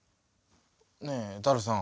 ねえダルさん。